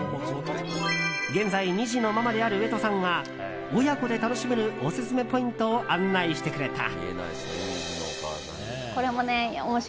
現在２児のママである上戸さんが親子で楽しめるオススメポイントを案内してくれた。